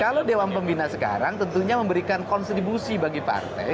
kalau dewan pembina sekarang tentunya memberikan kontribusi bagi partai